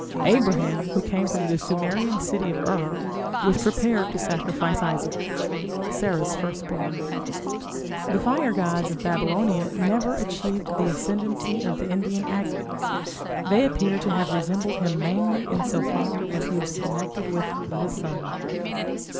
Abraham, who came from the Sumerian city of Ur, was prepared to sacrifice Isaac, Sarah's first born. The fire gods of Babylonia never achieved the ascendancy of the Indian Agni; they appear to have resembled him mainly in so far as he was connected with the sun.